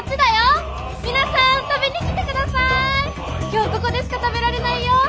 今日ここでしか食べられないよ！